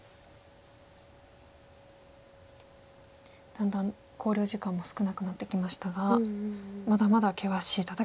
だんだん考慮時間も少なくなってきましたがまだまだ険しい戦いが続きそうですね。